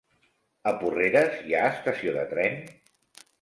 A Porreres hi ha estació de tren?